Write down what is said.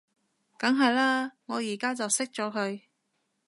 梗係喇，我而家就熄咗佢